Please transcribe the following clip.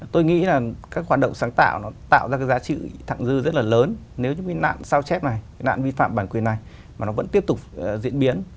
tôi nghĩ là các hoạt động sáng tạo nó tạo ra cái giá trị thẳng dư rất là lớn nếu như cái nạn sao chép này nạn vi phạm bản quyền này mà nó vẫn tiếp tục diễn biến